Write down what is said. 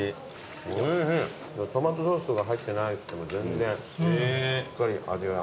トマトソースとか入ってなくても全然しっかり味が。